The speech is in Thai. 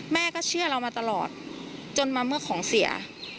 แม่ก็เชื่อเรามาตลอดจนมาเมื่อของเสีย